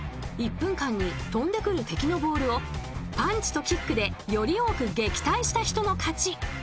１分間に飛んでくる敵のボールをパンチとキックでより多く撃退した人の勝ち。